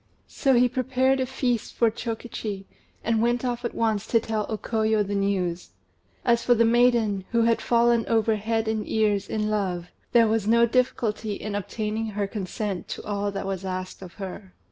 So he prepared a feast for Chokichi, and went off at once to tell O Koyo the news. As for the maiden, who had fallen over head and ears in love, there was no difficulty in obtaining her consent to all that was asked of her.